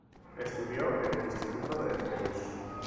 Estudió en el instituto de Reus.